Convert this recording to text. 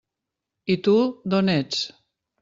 I tu, d'on ets?